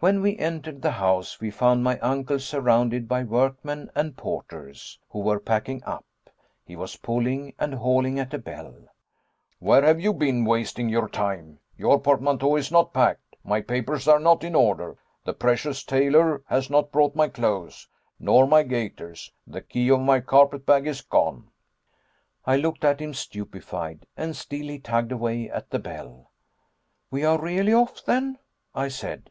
When we entered the house we found my uncle surrounded by workmen and porters, who were packing up. He was pulling and hauling at a bell. "Where have you been wasting your time? Your portmanteau is not packed my papers are not in order the precious tailor has not brought my clothes, nor my gaiters the key of my carpet bag is gone!" I looked at him stupefied. And still he tugged away at the bell. "We are really off, then?" I said.